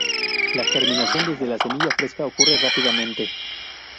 La germinación desde la semilla fresca ocurre rápidamente.